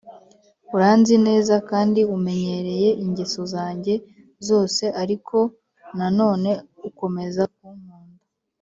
uranzi neza, kandi umenyereye ingeso zanjye zose ariko nanone, ukomeza kunkunda.